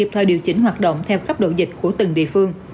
theo khắp độ dịch của từng địa phương